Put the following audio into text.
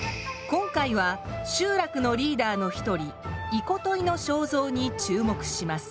今回は集落のリーダーの一人イコトイの肖像に注目します。